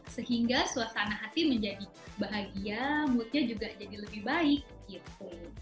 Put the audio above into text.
sehingga suasana hati menjadi bahagia moodnya juga jadi lebih baik gitu